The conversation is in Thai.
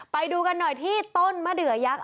ไปดูกันหน่อยที่ต้นมะเดือยักษ